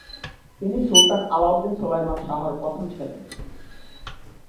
তিনি Sultan Alauddin Sulaiman শাহর প্রথম ছেলে।